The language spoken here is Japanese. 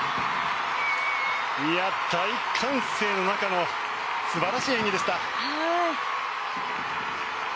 大歓声の中の素晴らしい演技でした。